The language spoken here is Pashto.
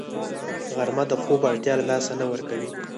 غرمه د خوب اړتیا له لاسه نه ورکوي